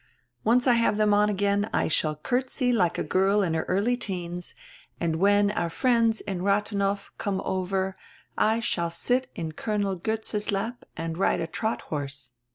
Once I have them on again I shall courtesy like a girl in her early teens, and when our friends in Rathenow come over I shall sit in Colonel Goetze's lap and ride a trot horse.